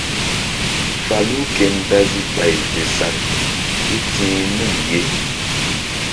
Falu ke dazi bay fe saŋ kéti̧h nun ye.